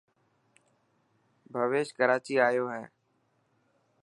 پويش ڪراچي آيو هي.